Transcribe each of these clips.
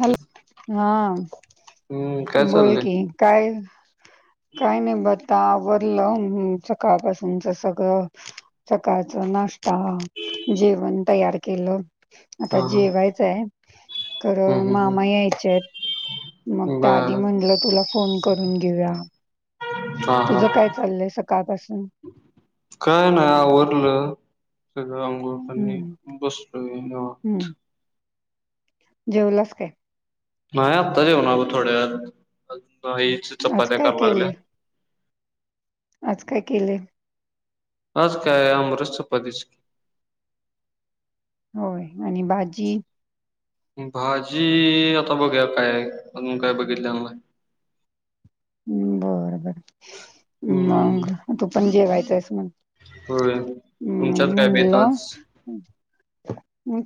Hello हा हम्म काय बोल चाललंय कि काय काही नाही बता आवरडलं सकाळपासूनच सगळं सकाळच नाश्ता जेवण तयार केलं हा आता हा जेवायचं आहे तर हम्म हम्म मामा यायच्या आहेत मग हम्म त्या आधी बर म्हटलं तुला फोन करून घेऊया हा हा तुझं काय चाललंय सकाळपासून काय ना वरलं अंगनी हम्म बसलोत जेवलाच काय नाही आत्ताच येऊनग थोड्याजच आज चपात्या काय कू केले लागल्या आज काय केलेय आज काय आहे अमृत चपात होय आणि भाजी भाजी आता बघ काय अजून काय बघितला ह् बर बर मग हम्म तू पण जेवायचं आहेस म्हण होय हम् तुमच्यात काय बेत म्हनल आज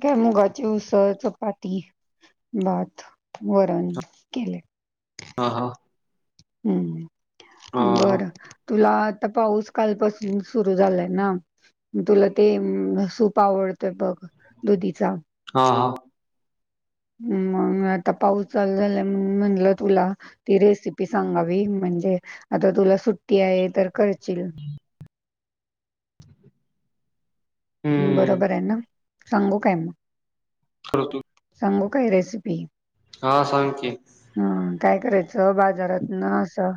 काय मुगाची उऊस चपाती बात वरण केले हा हा हा हम् हा बरं तुला आता पाऊस कालपासून सुरू झालाय ना तुला ते सूप आवडतंय बघ दुधीचा हा हा हम्म आता पाऊस चाल म्ह तुला ती रेसिपी सांगावी म्हणजे आता तुला सुट्टी आहे तर करशील हम्म बरोबर आहे ना सांगू काय मग खर तू तांंगु काही रेसिपी हा सां की ह काय करायचं बाजारात न असं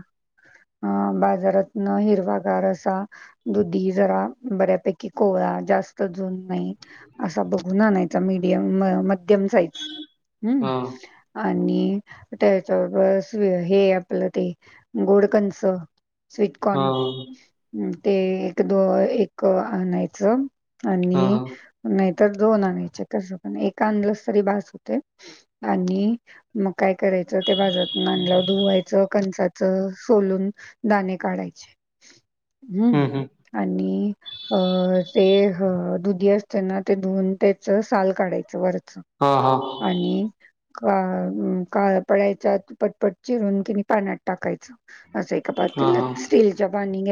अ बाजारात हिरवागार असा दुधी जरा बऱ्यापैकी कोळा जास्त अस ब आणय हा आणि त्याच्याब हे आपलं ते गोडकंच हा स्वीटकॉर्न ते एक द एक आणायचं हा आणि हा नाही तर दोन आणायचे कस पण एक आणलंस तरी भास होते आणि मग काय कराय बाजात धुवायचं कंचाच सोलून दाणे काढायचे हम्म आणि अ ते अ दुधी असतेना ते धुवून त्याच साल काढायचं वच हा हा आणि का काळ पडायचा पटपट चिरून कि नाही पाण्यातत टाकायचं असय का पाात हा हा स्टीलच्या बानींग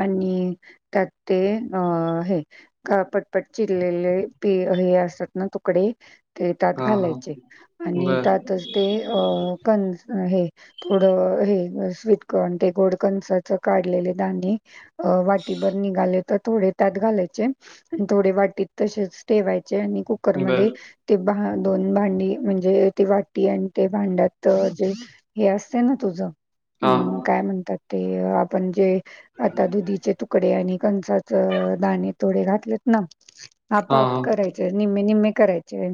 आणि त्या ते अ हे का पटपट चिरलेले प हे असतात ना तुकडे ते त्यात हा हा घालायचे आणि बर त्यातच ते कन हे थोडं हे स्वीटकण ते गोडकंचाच काढलेले दणे अ वाटीभर निघाले तर थोडे त्यात घालायचे आणि थोडे वाटीत तसेच ठेवाय चे आनी कुकर मध्ये बर दोन भांडी म्हणजे ती वाटी आणि ते भांड्यात जे हे असते ना तुझं. हा हम्म हा काय म्हणतात ते आपण जे आता दुधीचे तुकडे आणि.. कंसाचे दाणे थोडे घेतलेत न हाप हाप हा करायचे. निम्मे निम्मे करायचे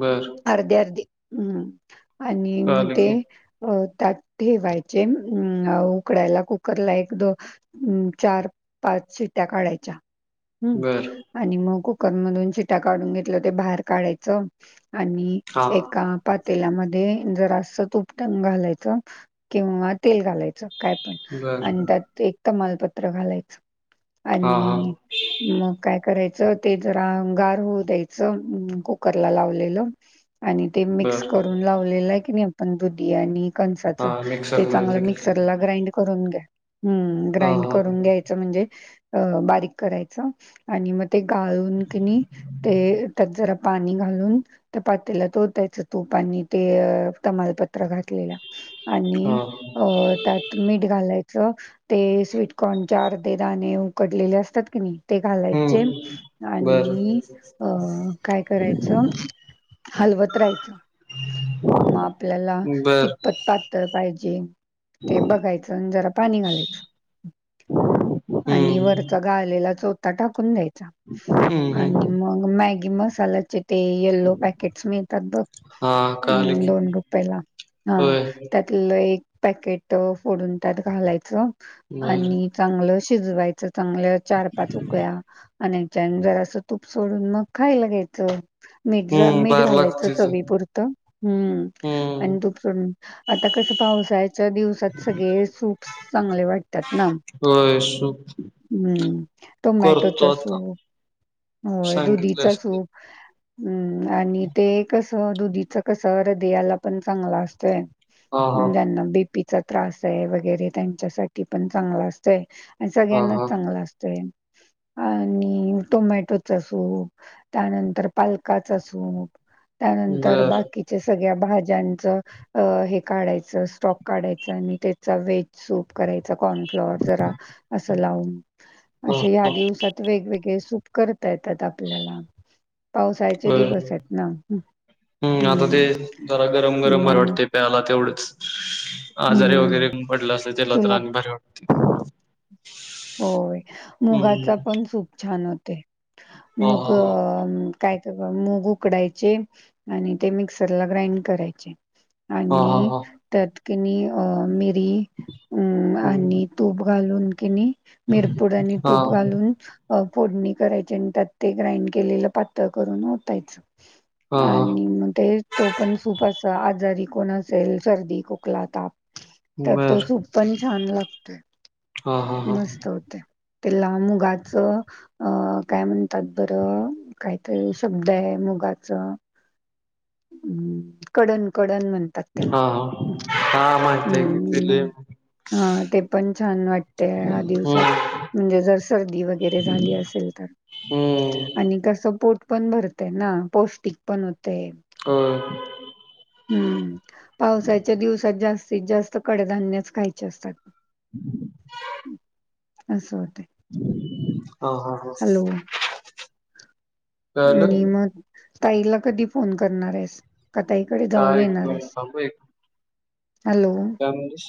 बर अर्धे अर्धी हम्म.. आणि मग कळालं ते की अ.. त्यात ठेवायचे अ उकडायला कुकरला एक दो चार पाच... शिट्या काढायच्या, हं बर आनी मग कुकर मधून शिट्या काढून घेतलं ते बाहेर काढायचं आणि हा एका तेलामध्ये जरा असं तुपटंग घालायचं किंवा तेल घालायचं. काय पण बर आणि त्यात एक तर मालपत्र घालायचं हा हा आणि... मग काय करायचं. ते जरा अंगार होऊ द्यायचं कुकरला लावलेलं.. आणि ते मिक्स बर करून लावलेलं आहे की नाही आपण दुधी आणि हा कंसाचं ते मिक्सर चांगलं मध्ये मिक्सरला ग्राइंड करून घ्या. हम्म हा ग्राईंड हा करून घ्यायचं म्हणजे अ बारीक.. करायच आनी मग तें गाळून कीं नाई तें त्यात जरा पानी घालून... पात्याला ओ तायच तूपनी ते तमालपत्र घातलेला. हा आणि अ त्यात मीठ घालाय चं ते स्वीटकॉर्नचे अर्धे दाणे उकडलेले असतात की नाही... ते घालायचे हम्म बर आणि अं काय करायचं? हलवत राहायचं. मग आपल्याला बर कितपत पातळ पाहिजे... ते बघायचं आणि जरा पाणी घालायचं आणि वरच हम्म गळलेलं.. चोथा टाकून द्यायचा, हम्म हम्म आनी मग मॅगी मसाला.. ते यल्लो पॅकेट्स मिळतात बघ. हा कळालं हम्म की दोन रुप्प्याला हा होय त्यातलं एक पॅकेट फोडून त्यात घालायचं बर आणि चांगलं शिजवायचं चांगलं.. चार पाच उकळ्या आणि त्यान जर असं तूप सोडून मग खायला घ्यायचं. मीठ हम्म मीठ बाहेर घालायचं लागतेच चवीपुरतं हम्म हम्म आणि तुपसोडून... आता कसं पावसाच्या दिवसात सगळे सूप् चांगले वाटतात ना होय सु हम्. टोमॅटोचा करतो आता सूप होय दुधीचा सांगितलंस ते सूप. हम्म आणि ते कस दुधीच कस हृदयाला पण चांगला असतंय. हा हा ज्यांना बीपीचा त्रास आहे वगैरे त्यांच्यासाठी पण चांगला असतय. आणि हा सगळ्यांनाच हा चांगलं असत. आणि टोमॅटोच सूप त्यानंतर पालकाच सूप. नंतर बर बाकीच्या सगळ्या भा ज्यांचं हे काढायचं स्टॉक काढायच आणि त्याचा वेहेज सूप कराय कर्नफ्लवर जरा अस लावून हा असं या दिवसात वेगवेगळे सूप करता येतात आपल्याला पावसाल्याचे दिवस आहेत ना. हम् आता ते हं. जरा गरम गरम भर मग वाटते प्यायला तेवढं. आजारे हं. वगैरे पडलं असं त्याला तर तुला आणि बरे वाट होय मुगाचा हम्म पण सूप छान होते. हा मूग हा काय? तर मूग उकडायचे आणि ते मिक्सर ला ग्राइंड करायचे. हा. हा हा आणि हा त्यात कीं नाई मिरी, हम्म आनी तूप घालून कि नाई मिरपुड आणि हा तूप हा घालून.. अ फोडणी करायची आणि त्यात ते ग्राइंड केलेलं पातळ करून ओतायचं. हा आणि मग ते तो पण सूपास आजारी कोण असेल सर्दी खोकला ताप तर तो बर सूप पण छान लागतोय हा हा हा मस्त होते त्याला मुगाच अ काय म्हणतात बरं कायतरी शब्द आहे मुगाच कडन कड म्हण हा ् हा हा माहित आहे की दिले हा ते पण छान वाट ह हम्म दिवसात म्हणजे जर सर्दी वगैरे झाली असेल तर हम्म आणि कस पोट पण भरते ना पौष्टिक पण होते ह हम्म पावसाच्या दिवसात जास्तीत जास्त कडधान्यच खायचे असतात ह अससं होते ह ह हो मी मग ताईला कधी फोन करणार आहेस कताईकडे जाऊन काय येणार ऐकू येईना आहेस थांब एक हॅलो काय म्हलीस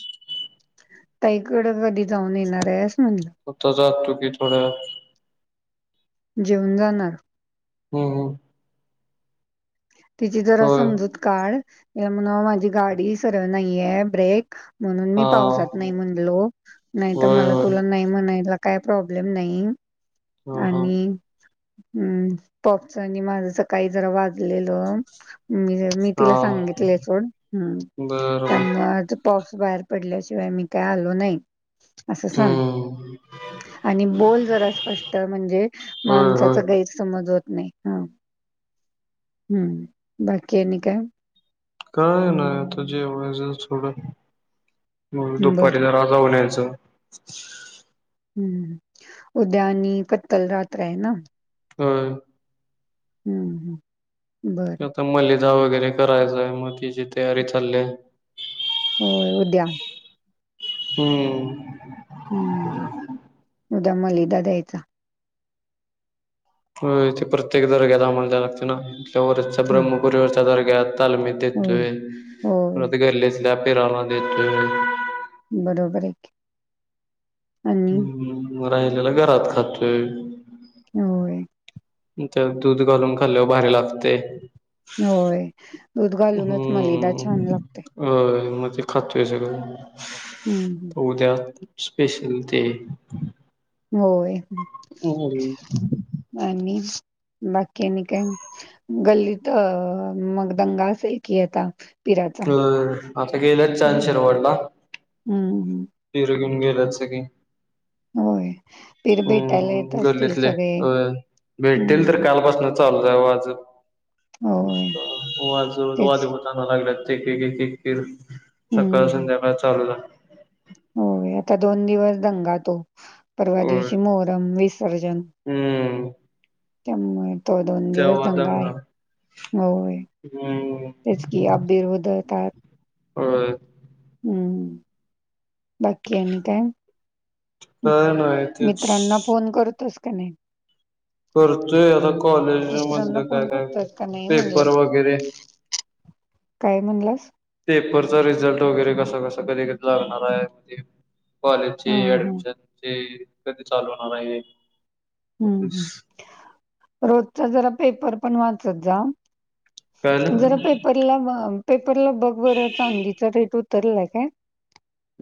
तईकडं कधी जाऊन येणार आहे असस म्हणलं आता जातो की थोड्या वेळात जेऊन जाणार हम्म हम्म तिची जरा होय समजूत काढ म्ह माझी गाडी सर्ळ नाहीये ब्रेक म्हणून मी हा पावसात नाही म्हणलो नाहीत होय मला होय तुला नाही म्हणायला लागत काय प्रॉब्लेम नाही हा हा आणि हम्म पॉपचनी माझच काही जरा वाजलेलं मी तिला हा सांगितले सोड ह बर बर त्यामु पा बाहेर पडल्याशिवाय मी काय आलो नाही असं सांग हम्म आणि बोल जरा स्पष्ट म्हणजे होय होय माणसाच गैरसमज होत नाही हा हम्म बाकी आणिनी काय काय नाही आता जेवढयज थोडं हो दुपारी बरं. जरा जाऊ न्यायचं हम्म उद्यानी पत्तल रातय ना हा हम्म हम् आता मलेिदा वगैरे करायचाय मग तिची तयारी चालली आहे हो उद्या हम्म हम्म ह् उद्या मलिदा द्यायचा थे प्रत्येक दर्ग्या आम्हाला लागते ना वचा हं, ब्रम्मपुरीवरचा दर्गात तालमी होय, देतोय होय. परत गल्लीतल्या पिराना देतोय बरोबर आहे आणि हम्म राहिलेला घरात खातोय होय दूध घालून खाल्लंवर भारी लागते होय. दूध घालूनच मलिदा हम्म छान लागते. अ म खातो आहे हं, हं. सगं उद्या स्पेशल ते होय हम् बाकीनी काय गल्ली तर मग दंगा असेल की आता पिराचा? अ आता गेलेच छान हं, शिरवडला हं. फिर घेऊन गे होय. पीर भेटायला येत हम् असतील गर्लीतले सगळे. अ भेटेल तर हं. कालपास नव्ह चालू आहे होय, आजज तेच. वाजे प लागलेत [unintelligible] एक, एक, एक, एक, सकाळ संध्याकाळ चालू झाला. हो आता दोन दिवस दंगा तो, परवा होय दिवशी मोहरम विस विसर्जन, हम्म त्यामुळे तो दोन दिवस दंगा आहे. होय हम्म त्याच कि अबबीर होदतात [unintelligible] होय. हम् बाकी आणि काय? काय नाही तेच मित्रांना फोन करतोस का नाही? करतोय, आता कॉलेज मित्रांना मधलं काय, फोन काय, करतोस का नाही पेपर म्हणलं? वगैरे काय म्हणलास? पेपरचा रिझल्ट, वगैरे कसा, कसा, कधी, कधी, लागणार आहे, ते कॉलेजचे हां, हां. ऍडमिशन चे कधी चालू होणार आहे. हं, फिस हं. [unintelligible] रोजचा जरा पेपर पण वाचत जा, कळालं जरा पेपरला पेपरला बघ बर चांदीचा रेट उतरलाय काय?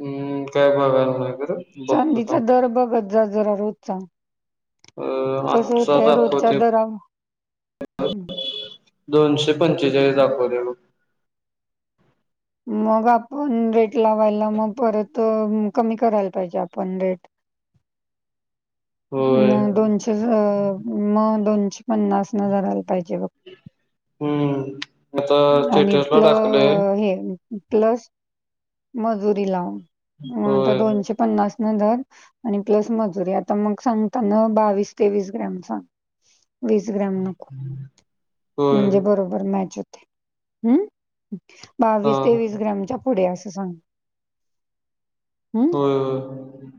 हम्म, काय बघायला नाही. खरं बघतो चांदीचा थांब दर बघत जा जरा रोजचा. अ कस आजचा होतंय रोजच्या दाखवते दरावर, ह दोनशे पंचेचाळीस दाखवले बघ. मग आपण रेट लावायला, मग परत कमी करायला पाहिजे आपण रेट. होय मग दोनशे, मग दोनश पन्नास ने धरायला पाहिजे बघ. हम्म.. आता आणि स्टेटसला प्ल टाकलंय हे प्लस मजुरी लाव, आता होय दोनशे पन्नास दर आणि प्लस मजुरी, आता मग सांगताना बावीस तेवीस ग्राम सांग. वीस ग्रॅम नको. होय म्हणजे बरोबर मॅच होते. हम् हा बावीस तेवीस ग्रामच्या पुढ्या असं सांग. हम् होय, होय,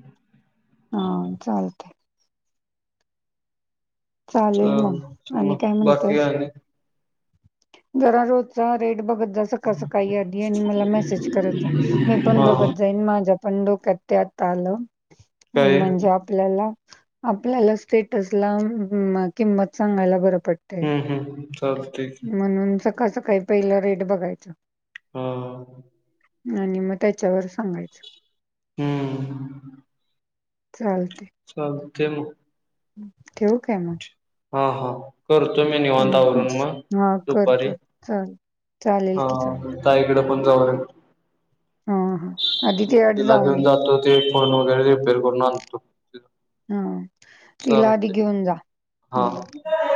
हा चालते. चालेल मग च आणि मग काय बाकी म्हणतेस आहे [unintelligible] जरा रोजचा रेट बघत का स मला म मी पण हा बघतण [unintelligible] ्यात आलं काय म्हणजे आपल्याला [unintelligible] आपल्याला स्टेटस ला किंमत सांगायला बर. हम्म, हम्म, चाल ठीक आहे. कसं काही, पहिलं रेट बघायचं. हा. आणि मग त्याच्यावर सांगायचं. हम्म.. चाल चालतंय मग ठेवू का मग? हा, हा, करतो मी निवांत हम्म. आवरून मग, हा कर दुपारी कर चालेल चालेल हा की चालेल ताईकडे पण जाऊन येतो. हा हा आधी ते अट तिला जाऊन घेऊन ये जातो ते फोन वगैरे रिपेअर करून आणतो. हा तिला आधी चालते घेऊन जा. हम्म. हा.